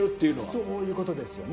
そういうことですよね。